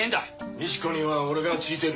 みち子には俺がついてる。